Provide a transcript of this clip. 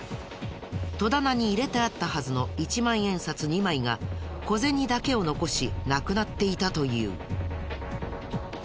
戸棚に入れてあったはずの１万円札２枚が小銭だけを残しなくなっていたという。